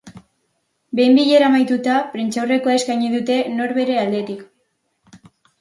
Behin bilera amaituta, prentsaurrekoa eskaini dute nor bere aldetik.